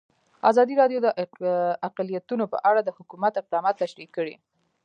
ازادي راډیو د اقلیتونه په اړه د حکومت اقدامات تشریح کړي.